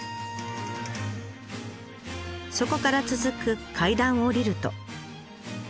そこから続く階段を下りると。